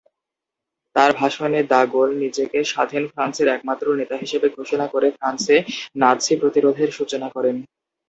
তার ভাষণে de Gaulle নিজেকে স্বাধীন ফ্রান্সের একমাত্র নেতা হিসেবে ঘোষণা করে ফ্রান্সে নাৎসি প্রতিরোধের সূচনা করেন।